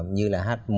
như là h một